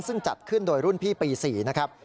ซึ่งจัดขึ้นโดยรุ่นพี่ปี๔นะครับ